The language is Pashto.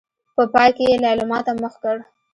په پای کې يې ليلما ته مخ کړ.